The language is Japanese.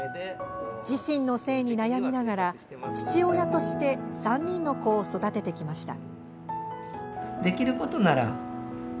自身の性に悩みながら父親として３人の子を育ててきました。